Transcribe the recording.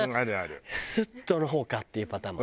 スッとの方かっていうパターンも。